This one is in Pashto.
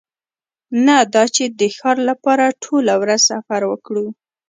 نه دا چې د ښار لپاره ټوله ورځ سفر وکړو